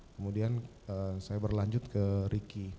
kemudian saya berlanjut ke ricky